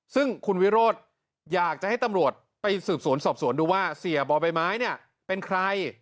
ซึ่งคุณวิโรธอยากจะให้ตำรวจไปสืบสวนสอบสวนดูว่าเสียบ่อใบไม้เนี่ยเป็นใคร